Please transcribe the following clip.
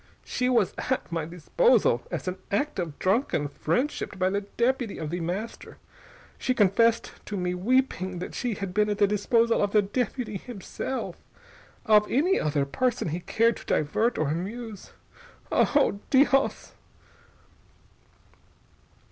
"She was at my disposal, as an act of drunken friendship by the deputy of The Master. She confessed to me, weeping, that she had been at the disposal of the deputy himself. Of any other person he cared to divert or amuse.... Oh! _Dios!